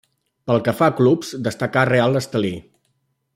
Pel que fa a clubs, destacà a Real Estelí.